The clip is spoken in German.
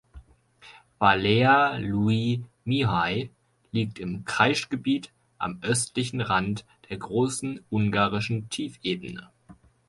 Valea lui Mihai liegt im Kreischgebiet am östlichen Rand der Großen Ungarischen Tiefebene.